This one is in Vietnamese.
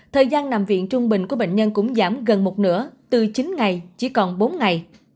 thời gian nằm viện trung bình của bệnh nhân cũng giảm gần một nửa từ chín ngày chỉ còn bốn ngày